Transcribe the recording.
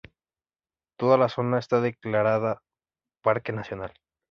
Toda la zona está declarada parque nacional.